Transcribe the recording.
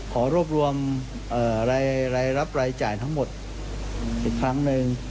ขอรวบรวมรายรับรายจ่ายทั้งหมดอีกครั้งหนึ่ง